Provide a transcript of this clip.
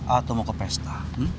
atau mau ke pesta